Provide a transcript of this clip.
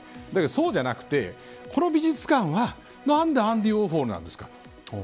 そうじゃなくてこの美術館は何でアンディ・ウォーホルなんですか。